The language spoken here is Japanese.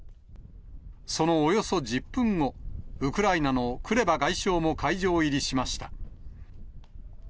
そのおよそ１０分後、ウクライナのクレバ外相も会場入りしました。